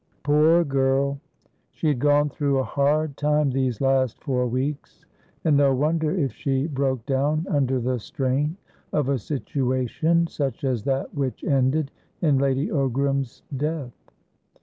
Poor girl! She had gone through a hard time these last four weeks, and no wonder if she broke down under the strain of a situation such as that which ended in Lady Ogram's death.